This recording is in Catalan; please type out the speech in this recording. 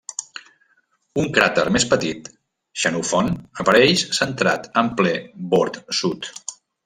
Un cràter més petit, Xenofont, apareix centrat en ple bord sud.